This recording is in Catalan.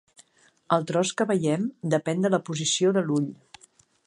El tros que veiem depèn de la posició de l'ull.